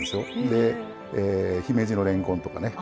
で姫路のれんこんとかね。